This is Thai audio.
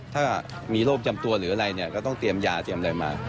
ถ้ามีโรคจำตัวหรืออะไรเนี่ยก็ต้องเตรียมยาเตรียมอะไรมา